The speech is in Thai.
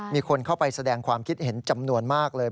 มีคนเข้าไปแสดงความคิดเห็นจำนวนมากเลย